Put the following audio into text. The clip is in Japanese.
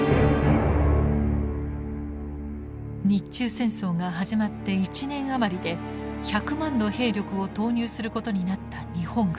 日中戦争が始まって１年余りで１００万の兵力を投入することになった日本軍。